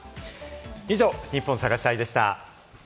以上、ニッポン探し隊でした。